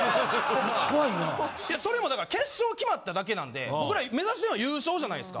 いやそれもだから決勝決まっただけなんで僕ら目指してんのは優勝じゃないすか。